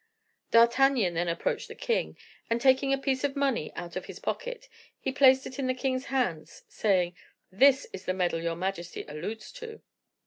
D'Artagnan then approached the king, and taking a piece of money out of his pocket, he placed it in the king's hands, saying, "This is the medal your majesty alludes to."